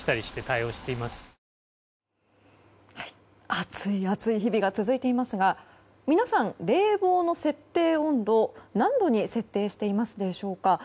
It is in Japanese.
暑い夏の日々が続いていますが皆さん、冷房の設定温度何度に設定しているでしょうか。